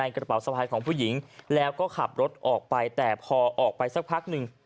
กระเป๋าสะพายของผู้หญิงแล้วก็ขับรถออกไปแต่พอออกไปสักพักหนึ่ง